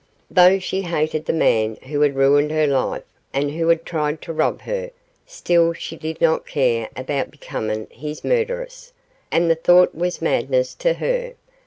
Though she hated the man who had ruined her life, and who had tried to rob her, still she did not care about becoming his murderess, and the thought was madness to her.